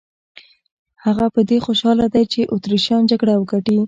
هغه په دې خوشاله دی چې اتریشیان جګړه وګټي.